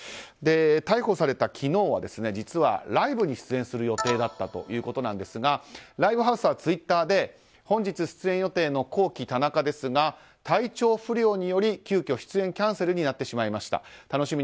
逮捕された昨日は実はライブに出演する予定だったということなんですがライブハウスはツイッターで本日、出演予定のＫＯＫＩＴＡＮＡＫＡですが体調不良により急きょ出演キャンセルになってしまいました。